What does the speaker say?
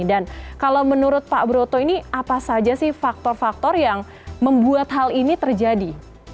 dan kalau menurut pak broto ini apa saja faktor faktor yang membuat hal ini terjadi